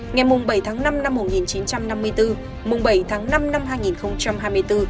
ngày bảy tháng năm năm một nghìn chín trăm năm mươi bốn bảy tháng năm năm hai nghìn hai mươi bốn